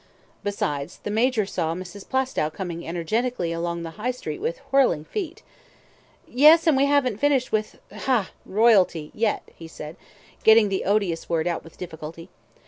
Besides, the Major saw Mrs. Plaistow coming energetically along the High Street with whirling feet. "Yes, and we haven't finished with ha royalty yet," he said, getting the odious word out with difficulty.